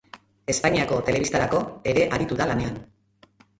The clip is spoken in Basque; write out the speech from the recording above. Espainiako telebistarako ere aritu da lanean.